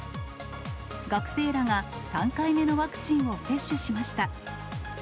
学生らが３回目のワクチンを接種しました。